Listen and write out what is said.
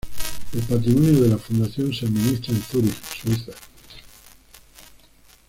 El patrimonio de la fundación se administra en Zúrich, Suiza.